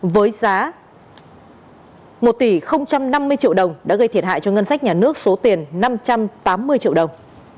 với giá một tỷ năm mươi triệu đồng đã gây thiệt hại cho ngân sách nhà nước số tiền năm trăm tám mươi triệu đồng